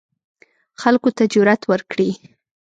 خلکو ته جرئت ورکړي